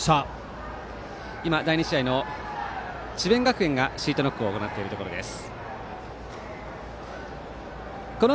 今、第２試合の智弁学園がシートノックを行っているところです。